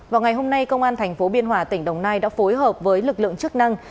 vào ngày hôm nay công an thành phố biên hòa tỉnh đồng nai đã phối hợp với lực lượng chức năng